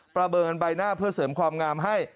ประเมินใบหน้าเพื่อเสริมความงามให้